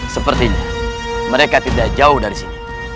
sepertinya mereka tidak jauh dari sini